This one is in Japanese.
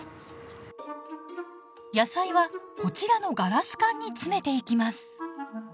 野菜はこちらのガラス管に詰めていきます。